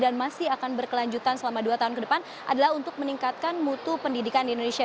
dan masih akan berkelanjutan selama dua tahun ke depan adalah untuk meningkatkan mutu pendidikan di indonesia